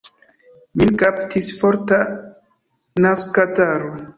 Min kaptis forta nazkataro.